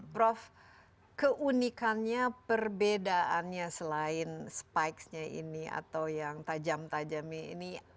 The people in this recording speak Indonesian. prof keunikannya perbedaannya selain spikes nya ini atau yang tajam tajam ini